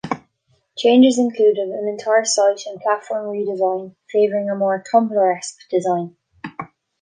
Changes included an entire site and platform redesign, favoring a more Tumblr-esque design.